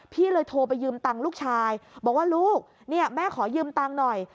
พี่เลยโทรไปยืมตังค์ลูกชายบอกว่าลูกเนี่ยแม่ขอยืมตังค์หน่อย